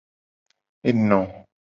Eno.